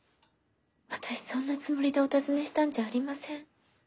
私そんなつもりでお訪ねしたんじゃありません。